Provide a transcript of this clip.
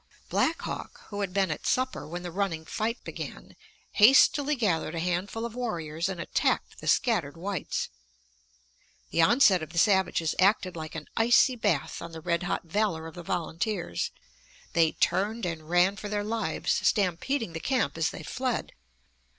Black Hawk, who had been at supper when the running fight began, hastily gathered a handful of warriors and attacked the scattered whites. The onset of the savages acted like an icy bath on the red hot valor of the volunteers; they turned and ran for their lives, stampeding the camp as they fled.